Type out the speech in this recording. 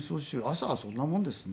朝はそんなもんですね。